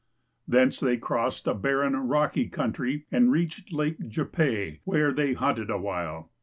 Thence they crossed a barren, rocky country and reached Lake .Tipe. wiiere they hunted a while.